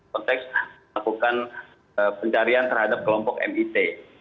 konteks melakukan pencarian terhadap kelompok mit